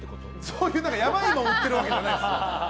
そういうやばいのを売ってるわけではないです。